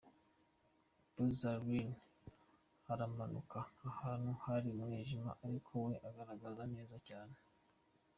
Buzz Aldrin aramanuka ahantu hari umwijima ariko we aragaragra neza cyane.